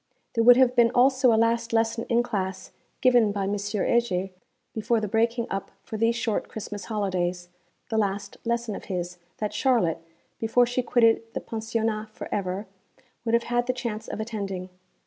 There would have been also a last lesson in class given by M. Heger before the breaking up for these short Christmas holidays the last lesson of his, that Charlotte, before she quitted the Pensionnat for ever, would have had the chance of attending.